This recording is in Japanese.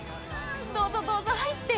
「どうぞどうぞ入って。